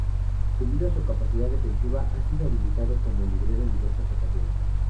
Debido a su capacidad defensiva, ha sido habilitado como líbero en diversas ocasiones.